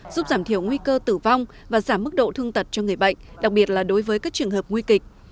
giúp giảm thiểu nguy cơ tử vong và giảm mức độ thương tật cho người bệnh đặc biệt là đối với các trường hợp nguy kịch